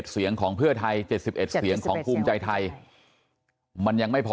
เสียงของเพื่อไทย๗๑เสียงของภูมิใจไทยมันยังไม่พอ